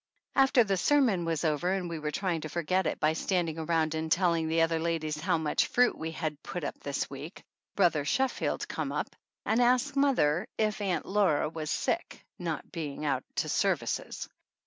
After the sermon was over and we were trying to forget it by standing around and telling the other ladies how much fruit we had put up this past week, Brother Sheffield came up and asked mother if Aunt Laura was sick, not being out to services.